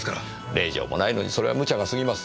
令状もないのにそれは無茶が過ぎます。